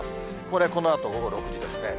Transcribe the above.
これ、このあと午後６時ですね。